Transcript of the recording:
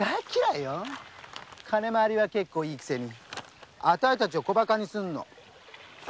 金まわりは結構いいくせにあたしたちをコバカにするの。